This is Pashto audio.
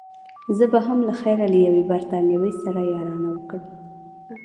زه به هم له خیره له یوې بریتانوۍ سره یارانه وکړم.